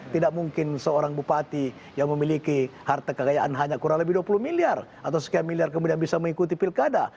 tidak mungkin seorang bupati yang memiliki harta kekayaan hanya kurang lebih dua puluh miliar atau sekian miliar kemudian bisa mengikuti pilkada